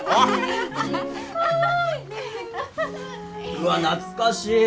うわっ懐かしい。